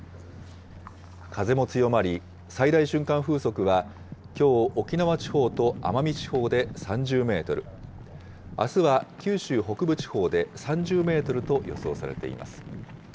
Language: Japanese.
風も強まり、最大瞬間風速はきょう、沖縄地方と奄美地方で３０メートル、あすは九州北部地方で３０メートルと予想されています。